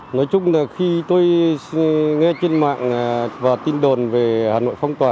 nói chung là khi tôi nghe trên mạng và tin đồn về hà nội phong tỏa